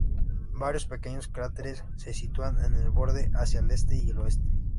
Varios pequeños cráteres se sitúan en el borde hacia el este y el oeste.